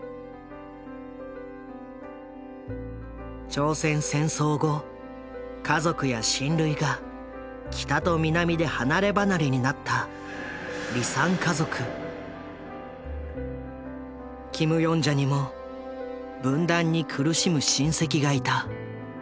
朝鮮戦争後家族や親類が北と南で離れ離れになったキム・ヨンジャにも分断に苦しむ親戚がいた。